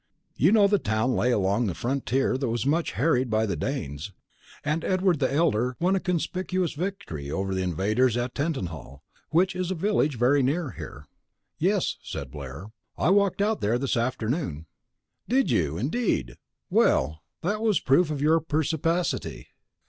You know the town lay along the frontier that was much harried by the Danes, and Edward the Elder won a conspicuous victory over the invaders at Tettenhall, which is a village very near here." "Yes," said Blair, "I walked out there this afternoon." "Did you, indeed! Well, that was a proof of your perspicacity.